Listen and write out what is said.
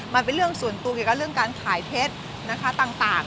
มันเป็นเรื่องส่วนตัวเกี่ยวกับเรื่องการขายเท็จนะคะต่าง